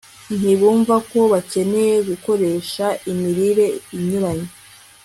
Ntibumva ko bakeneye gukoresha imirire inyuranye